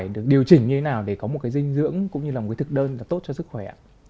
được điều chỉnh như thế nào để có một cái dinh dưỡng cũng như là một cái thực đơn là tốt cho sức khỏe ạ